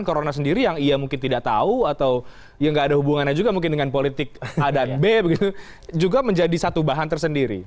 corona sendiri yang ia mungkin tidak tahu atau ya nggak ada hubungannya juga mungkin dengan politik a dan b juga menjadi satu bahan tersendiri